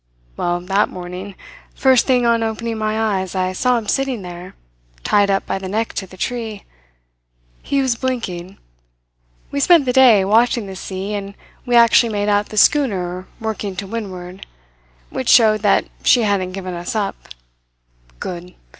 Well, that morning, first thing on opening my eyes, I saw him sitting there, tied up by the neck to the tree. He was blinking. We spent the day watching the sea, and we actually made out the schooner working to windward, which showed that she had given us up. Good!